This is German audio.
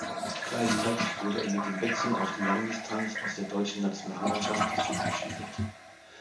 Gleichzeitig wurde er mit dem Wechsel auf die Langdistanz aus der deutschen Nationalmannschaft verabschiedet.